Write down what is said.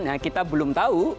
nah kita belum tahu